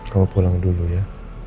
kamu pulang dulu ya